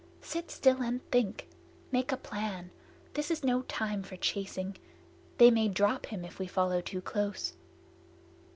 Sit still and think! Make a plan. This is no time for chasing. They may drop him if we follow too close."